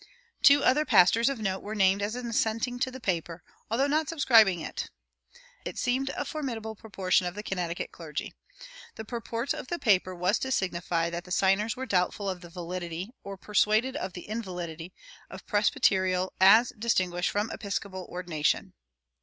Two other pastors of note were named as assenting to the paper, although not subscribing it. It seemed a formidable proportion of the Connecticut clergy. The purport of the paper was to signify that the signers were doubtful of the validity, or persuaded of the invalidity, of presbyterial as distinguished from episcopal ordination.